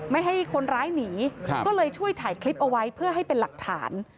ไม่ให้คนร้ายหนีก็เลยช่วยถ่ายคลิปเอาไว้เพื่อให้เป็นหลักฐาน